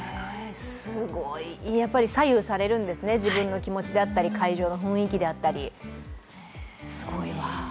すごい、やっぱり左右されるんですね、自分の気持ちであったり会場の雰囲気であったりすごいわ。